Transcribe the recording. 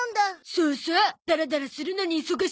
そうそうダラダラするのに忙しいし。